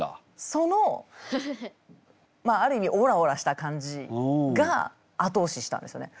そのある意味オラオラした感じが後押ししたんですよね。